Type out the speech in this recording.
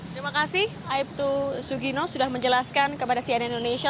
terima kasih aibtu sugino sudah menjelaskan kepada cnn indonesia